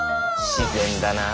自然だなあ。